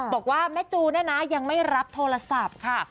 บอกว่าแม่จูเนี่ยนะยังไม่รับโทรศัพท์ค่ะ